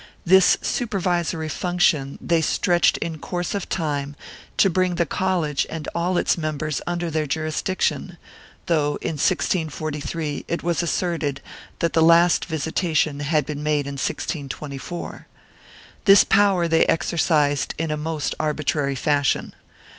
This supervisory function they stretched in course of time to bring the college and all its members under their jurisdiction, although in 1643 it was asserted that the last visita tion had been made in 1624. This power they exercised in most arbitrary fashion.